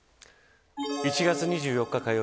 １月２４日、火曜日